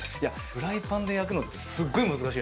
フライパンで焼くのってすっごい難しいのよ。